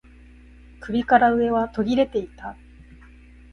首から上は途切れていた